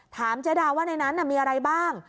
เจ๊ดาว่าในนั้นมีอะไรบ้าง